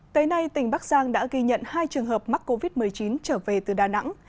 tới nay tỉnh bắc giang đã ghi nhận hai trường hợp mắc covid một mươi chín trở về từ đà nẵng